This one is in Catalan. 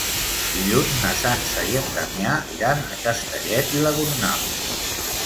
Dilluns na Sança i en Damià iran a Castellet i la Gornal.